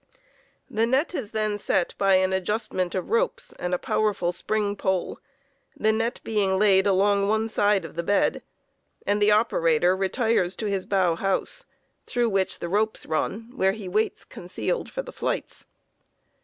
The net is then set by an adjustment of ropes and a powerful spring pole, the net being laid along one side of the bed, and the operator retires to his bough house, through which the ropes run, where he waits concealed for the flights.